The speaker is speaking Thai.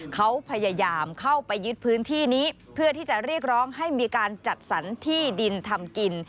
เขาพยายามเข้าไปยึดพื้นที่นี้เพื่อที่จะเรียกร้องให้มีการจัดสรรที่ดินทำกิน